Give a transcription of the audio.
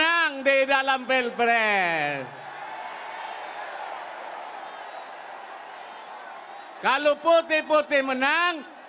tujuh belas april apa yang akan kita putihkan